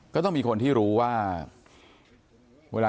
ก็ต้องมีคนที่รู้ว่า